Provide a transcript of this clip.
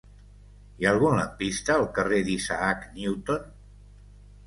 Hi ha algun lampista al carrer d'Isaac Newton?